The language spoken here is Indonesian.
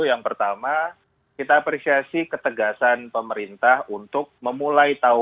yang pertama kita apresiasi ketegasan pemerintah untuk memulai